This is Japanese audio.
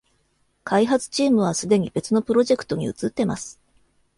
開発チームはすでに別のプロジェクトに移ってます